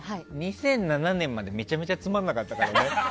２００７年までめちゃめちゃつまんなかったからね。